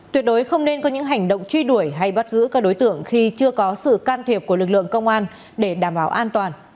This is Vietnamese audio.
tuyệt đối không nên có những hành động truy đuổi hay bắt giữ các đối tượng khi chưa có sự can thiệp của lực lượng công an để đảm bảo an toàn